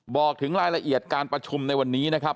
บอกถึงรายละเอียดการประชุมในวันนี้นะครับ